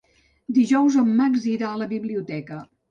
Dijous en Max irà a la biblioteca.